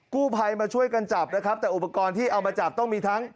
กู้ภัยมาช่วยกันจับนะครับแต่อุปกรณ์ที่เอามาจับต้องมีทั้ง